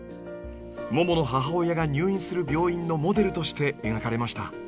ももの母親が入院する病院のモデルとして描かれました。